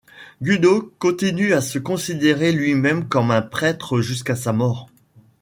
Gudō continue à se considérer lui-même comme un prêtre jusqu'à sa mort.